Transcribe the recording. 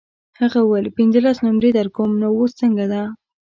هغه وویل پنځلس نمرې درکوم نو اوس څنګه ده.